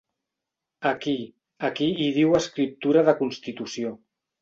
Aquí, aquí hi diu escriptura de constitució.